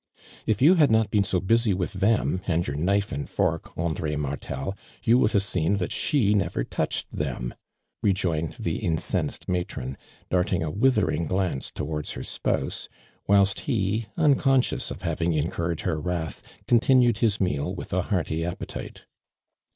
" If you had not been so busy with them, and your knife and fork, Andre Martel, you would have seen that she never touched them," rejoined the incens ed matron, darting a withering glance to wards her spouse, whilst he, unconscious of having incuiTcd her wrath, continued his meal with a hearty appetite.